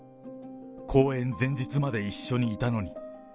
公演前日まで一緒にいたのに。